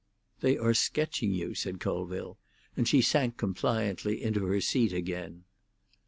"They are sketching you," said Colville, and she sank compliantly into her seat again.